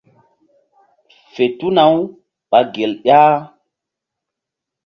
Fe tuna-u ɓa gel ƴah.